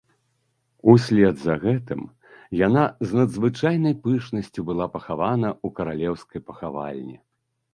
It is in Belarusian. Услед за гэтым яна з надзвычайнай пышнасцю была пахавана ў каралеўскай пахавальні.